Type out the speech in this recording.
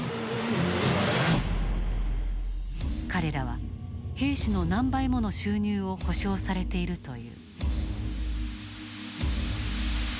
彼らは兵士の何倍もの収入を保障されているという。